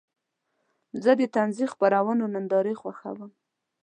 زه د طنزي خپرونو نندارې خوښوم.